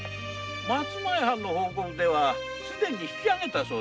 松前藩の報告ではすでに引き揚げたそうで。